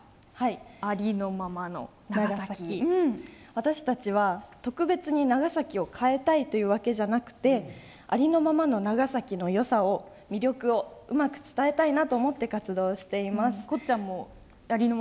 私たちは、特別に長崎を変えたいというわけじゃなくてありのままの長崎のよさ、魅力をうまく伝えたいなと思って活動しています。